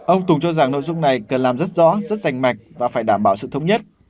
ông tùng cho rằng nội dung này cần làm rất rõ rất rành mạch và phải đảm bảo sự thống nhất